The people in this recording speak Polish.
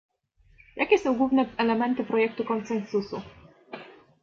Jakie są główne elementy projektu konsensusu?